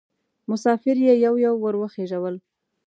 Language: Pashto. مسافر یې یو یو ور وخېژول.